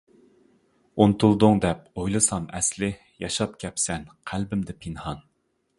ئۇنتۇلدۇڭ دەپ ئويلىسام ئەسلى، ياشاپ كەپسەن قەلبىمدە پىنھان.